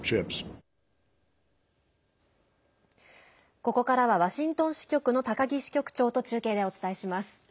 ここからはワシントン支局の高木支局長と中継でお伝えします。